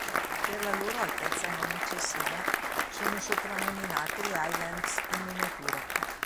Per la loro altezza non eccessiva, sono soprannominate le "Highlands in miniatura".